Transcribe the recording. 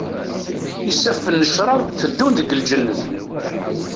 Isaffen n ccrab teddun deg lǧennet.